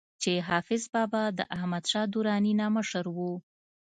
چې حافظ بابا د احمد شاه دراني نه مشر وو